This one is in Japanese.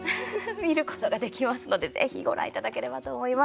見ることができますのでぜひご覧いただければと思います。